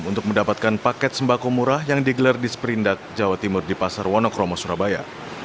untuk mendapatkan paket sembako murah yang digelar di sprindak jawa timur di pasar wonokromo surabaya